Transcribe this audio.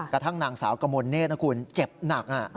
กระทั่งนางสาวกมลเนธนะคุณเจ็บหนัก